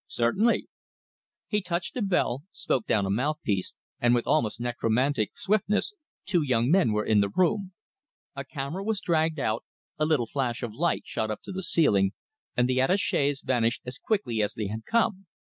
"Certainly!" He touched a bell, spoke down a mouthpiece, and with almost necromantic swiftness two young men were in the room. A camera was dragged out, a little flash of light shot up to the ceiling, and the attaches vanished as quickly as they had come.